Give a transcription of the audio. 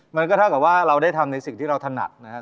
มันก็เท่ากับว่าเราได้ทำในสิ่งที่เราถนัดนะครับ